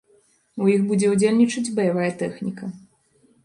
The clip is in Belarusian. У іх будзе ўдзельнічаць баявая тэхніка.